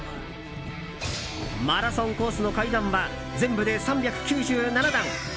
マラソンコースの階段は全部で３９７段。